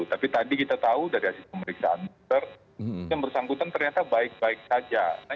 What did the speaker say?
tapi tadi kita tahu dari hasil pemeriksaan dokter yang bersangkutan ternyata baik baik saja